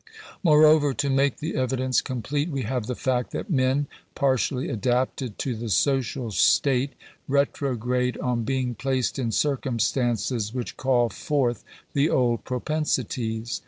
Moreover, to make the evidence complete, we have the fact that men, partially adapted to the social state, retrograde on being placed in circumstances which call forth the old propensities.